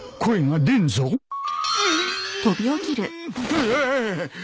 うわ！